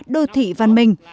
đô thị văn minh